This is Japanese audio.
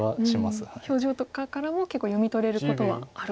表情とかからも結構読み取れることはあるかも。